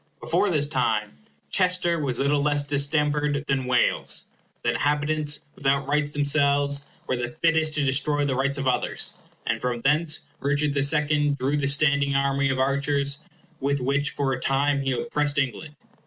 Before this time Chester was little less distempered than Wales. The inhabitants, without rights themselves, were the fittest to destroy the rights of others; and from thence Richard the Second drew the standing army of archers with which for a time he oppressed England.